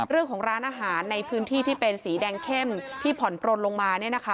เรื่องของร้านอาหารในพื้นที่ที่เป็นสีแดงเข้มที่ผ่อนปลนลงมา